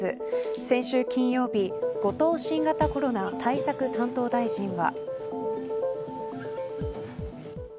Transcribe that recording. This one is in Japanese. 先週金曜日後藤新型コロナ対策大臣は。